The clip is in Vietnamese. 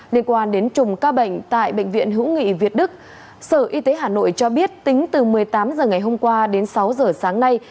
liên quan đến chùm ca bệnh tại bệnh viện hữu nghị việt đức sở y tế hà nội cho biết tính từ một mươi tám h ngày hôm qua đến sáu giờ sáng nay